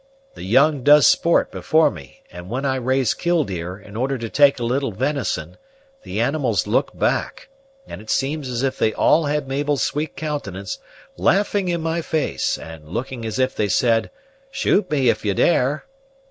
The young does sport before me; and when I raise Killdeer, in order to take a little venison, the animals look back, and it seems as if they all had Mabel's sweet countenance, laughing in my face, and looking as if they said, 'Shoot me if you dare!'